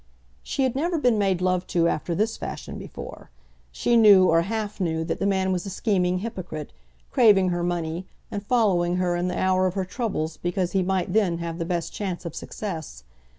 She had never been made love to after this fashion before. She knew, or half knew, that the man was a scheming hypocrite, craving her money, and following her in the hour of her troubles, because he might then have the best chance of success.